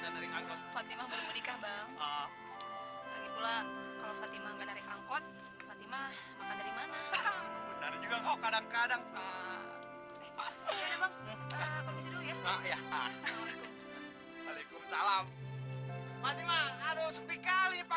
lagi pula kalau fatimah nggak naik angkot fatimah makan dari mana